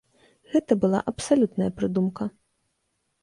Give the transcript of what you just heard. Гэта была абсалютная прыдумка.